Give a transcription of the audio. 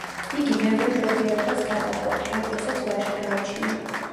იგი მერვე მშობიარობას გადაჰყვა, რა დროსაც ვაჟი გააჩინა.